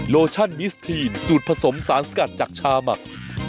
โลชั่นมิสทีนสูตรผสมสารสกัดจากชาหมัก